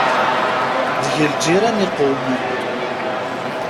Deg lǧiran i qewmen.